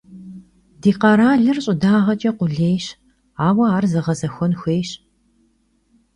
Ди къэралыр щӀыдагъэкӀэ къулейщ, ауэ ар зэгъэзэхуэн хуейщ.